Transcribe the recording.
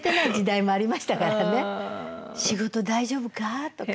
「仕事大丈夫か？」とか。